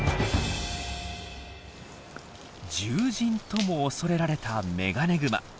獣人とも恐れられたメガネグマ。